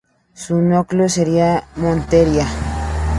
Su núcleo sería Montería.